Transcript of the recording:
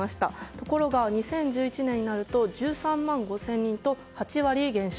ところが、２０１１年になると１３万５０００人と８割減少。